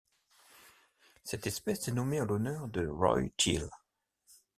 Cette espèce est nommée en l'honneur de Roy Teale.